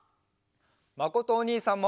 まことおにいさんも！